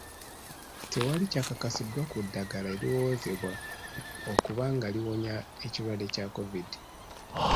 Tewali kyakakasiddwa ku ddagala eriwoozebwa okuba nga liwonya ekirwadde kya Kovidi.